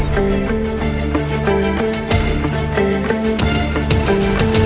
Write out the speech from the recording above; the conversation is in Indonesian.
kenapa makasih arriate nadia sendiri